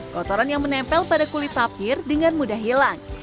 kotoran yang menempel pada kulit tapir dengan mudah hilang